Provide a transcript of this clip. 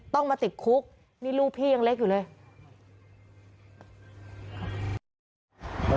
ต้องมาติดคุกนี่ลูกพี่ยังเล็กอยู่เลย